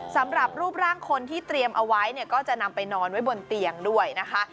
สำหรับรูปร่างคนที่เตรียมเอาไว้เนี่ยก็จะนำไปนอนไว้บนเตียงด้วยนะคะ